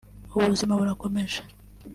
ubuzima burakomeje